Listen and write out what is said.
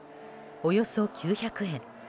およそ９００円。